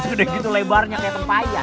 sekedek gitu lebarnya kayak tempayan